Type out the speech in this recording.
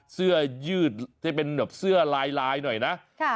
เสื้อยืดที่เป็นแบบเสื้อลายลายหน่อยนะ